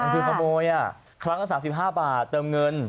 มันคือขโมยครั้งตั้ง๓๕บาทเติมเงิน